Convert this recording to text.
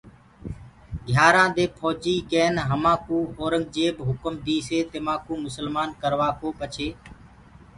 گھيآرآنٚ دي ڦوجيٚ ڪين همآنٚڪو اورنٚگجيب هُڪم ديسي تمآنٚڪو مُسلمآن ڪروآڪو پڇي